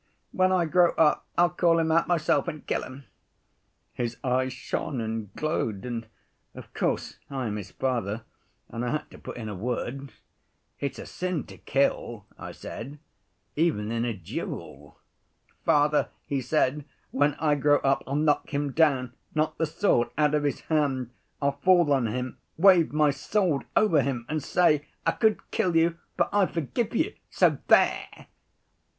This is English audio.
When I grow up I'll call him out myself and kill him.' His eyes shone and glowed. And of course I am his father, and I had to put in a word: 'It's a sin to kill,' I said, 'even in a duel.' 'Father,' he said, 'when I grow up, I'll knock him down, knock the sword out of his hand, I'll fall on him, wave my sword over him and say: "I could kill you, but I forgive you, so there!"